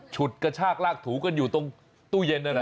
ฉุดกระชากลากถูกันอยู่ตรงตู้เย็นนั่นน่ะ